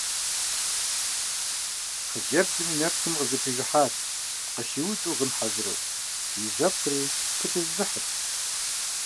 Хъыджэбзым и нэпсым къызэпижыхьат, къыщиуду гъын хьэзыру, и жьэпкъри пыкӀэзызыхьырт.